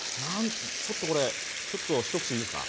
ちょっとこれ一口いいですか？